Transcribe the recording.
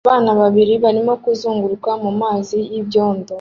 Abana babiri barimo kuzunguruka mu mazi y'ibyondo